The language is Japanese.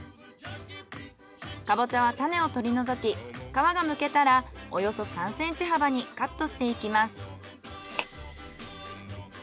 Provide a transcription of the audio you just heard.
カボチャは種を取り除き皮がむけたらおよそ３ｃｍ幅にカットしていきます。